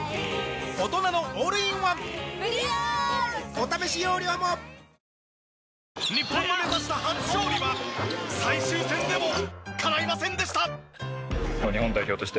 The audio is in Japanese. お試し容量も日本の目指した初勝利は最終戦でもかないませんでした。